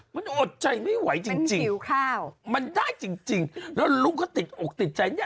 มันอดใจไม่ไหวจริงมันได้จริงแล้วลุงก็ติดอกติดใจเนี่ย